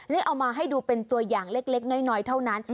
เอามาให้ดูเป็นตัวอย่างเล็กน้อยเท่านั้น